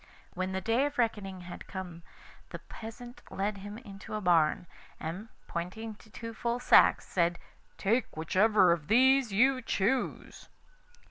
When the day of reckoning had come the peasant led him into a barn, and pointing to two full sacks, said: 'Take whichever of these you choose.